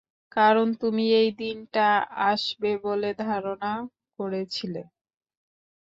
কারণ তুমি এই দিনটা আসবে বলে ধারণা করেছিলে।